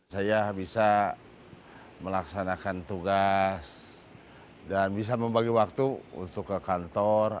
saya bisa melaksanakan tugas dan bisa membagi waktu untuk ke kantor